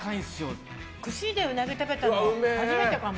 串でうなぎ食べたの初めてかも。